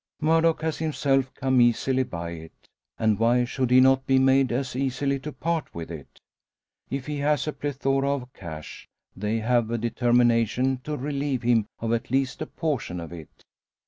Murdock has himself come easily by it, and why should he not be made as easily to part with it? If he has a plethora of cash, they have a determination to relieve him of at least a portion of it.